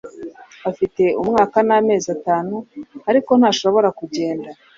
Afite umwaka namezi atanu ariko ntashobora kugenda